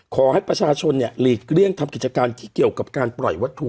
ขอให้ประชาชนหลีกเลี่ยงทำกิจการที่เกี่ยวกับการปล่อยวัตถุ